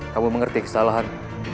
kamu mengerti kesalahan